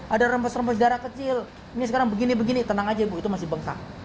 ada rembes rempas darah kecil ini sekarang begini begini tenang aja bu itu masih bengkak